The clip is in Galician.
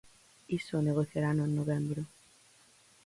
Iso negociarano en novembro.